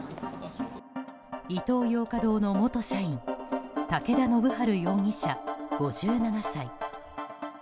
イトーヨーカ堂の元社員武田信晴容疑者、５７歳。